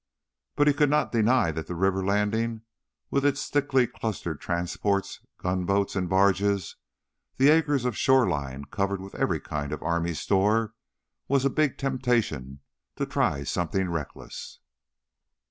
But he could not deny that the river landing with its thickly clustered transports, gunboats and barges, the acres of shoreline covered with every kind of army store, was a big temptation to try something reckless.